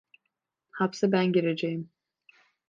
Hapse ben gireceğim…